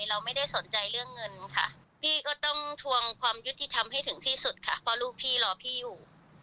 เราไม่ได้สนใจเรื่องเงินค่ะพี่ก็ต้องทวงความยุติธรรมให้ถึงที่สุดค่ะเพราะลูกพี่รอพี่อยู่